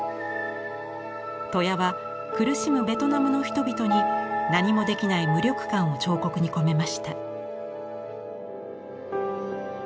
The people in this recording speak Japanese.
戸谷は苦しむベトナムの人々に何もできない無力感を彫刻に込めました。